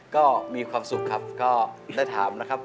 ก็มีความสุขครับก็ได้ถามนะครับ